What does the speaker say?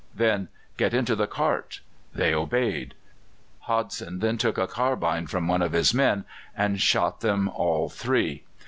Then, "Get into the cart." They obeyed. Hodson then took a carbine from one of his men, and shot them all three.